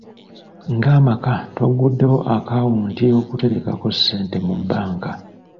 Ng'amaka twaguddewo akawunti y'okuterekako ssente mu bbanka.